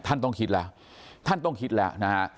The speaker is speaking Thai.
ท่านต้องคิดแล้วท่านต้องคิดแล้วนะฮะ